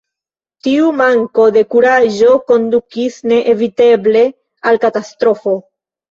Tiu manko de kuraĝo kondukis ne-eviteble al katastrofo.